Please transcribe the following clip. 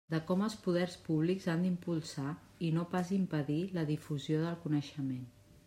De com els poders públics han d'impulsar i no pas impedir la difusió del coneixement.